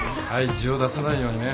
地を出さないようにね。